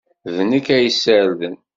D nekk ay yessarden.